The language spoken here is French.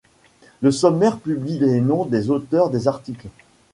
Le sommaire publie les noms des auteurs des articles.